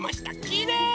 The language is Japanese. きれい！